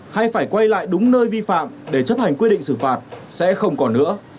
hay phải quay lại đúng nơi vi phạm để chấp hành quy định xử phạt sẽ không còn nữa